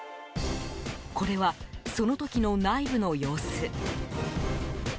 これは、その時の内部の様子。